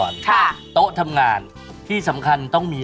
แล้วถ้าสมมติใครที่ไม่ได้อยู่ใน